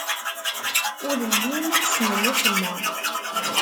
Ur llin ssnen acemma.